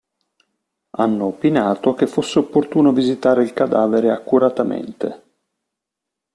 Hanno opinato che fosse opportuno visitare il cadavere accuratamente.